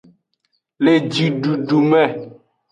Le jidudu me.